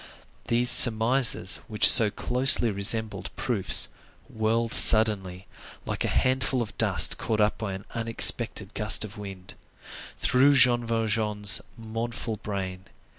These surmises, which so closely resembled proofs, whirled suddenly, like a handful of dust caught up by an unexpected gust of wind, through Jean Valjean's mournful brain.